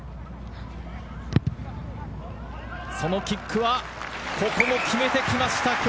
そのキックは、ここも決めてきました！